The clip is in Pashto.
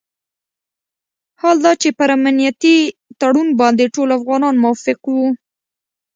حال دا چې پر امنیتي تړون باندې ټول افغانان موافق وو.